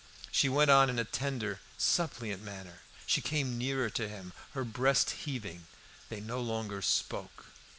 She went on in a tender, suppliant manner. She came nearer to him, her breast heaving; they no longer spoke.